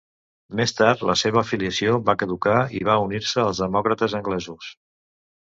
Més tard, la seva afiliació va caducar i va unir-se als demòcrates anglesos.